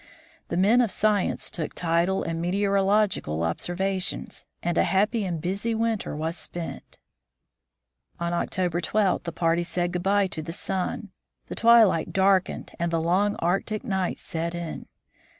The men of science took tidal and meteorological observations, and a happy and busy winter was spent. On October 12 the party said good by to the sun ; the twilight darkened and the long Arctic night set in.